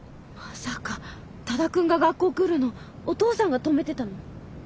まさか多田くんが学校来るのお父さんが止めてたの？